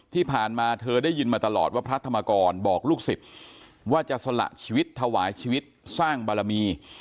ที่ผ่านมาเธอได้ยินมาตลอดว่าพระธรรมกรบอกลูกศิษย์ว่าจะสละชีวิตถวายชีวิตสร้างบารมี